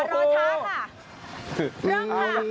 เริ่มค่ะ